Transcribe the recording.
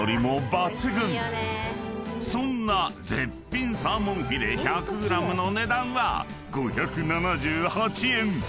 ［そんな絶品サーモンフィレ１００ｇの値段は５７８円］